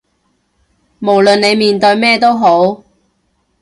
無論你面對咩都好